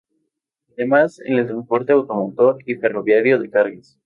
Además en el transporte automotor y ferroviario de cargas.